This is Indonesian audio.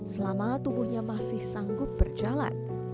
selama tubuhnya masih sanggup berjalan